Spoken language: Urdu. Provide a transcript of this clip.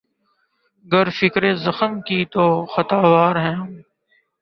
گر فکرِ زخم کی تو خطاوار ہیں کہ ہم